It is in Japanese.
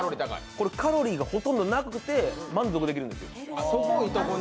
これ、カロリーがほとんどなくて満足できるんですよ。